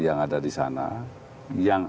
yang ada di sana yang